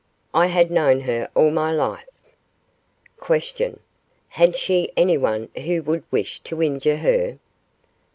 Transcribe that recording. I had known her all my life. Q. Had she anyone who would wish to injure her?